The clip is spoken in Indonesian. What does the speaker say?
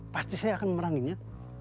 pasti saya akan memeranginya